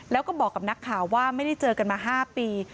แล้วก็บอกกับนักข่าวว่าไม่ได้เจอกันมา๕ปี